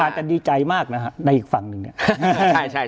อาจจะดีใจมากนะฮะในอีกฝั่งหนึ่งเนี่ย